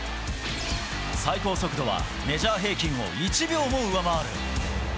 最高速度はメジャー平均を１秒も上回る。